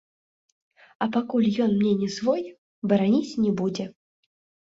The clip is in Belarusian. А пакуль ён мне не свой, бараніць не будзе.